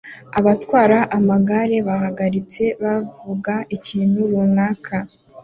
Abatwara amagare bahagaritse bavuga ikintu runaka